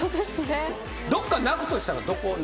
どっか泣くとしたらどこ泣きます？